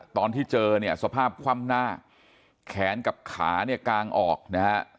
ตอนที่เจอเนี่ยสภาพคว่ำหน้าแขนกับขาเนี่ยกางออกนะฮะ